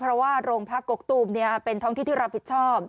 เพราะว่าโรงพักกกตูมเป็นท้องที่ที่รับผิดชอบ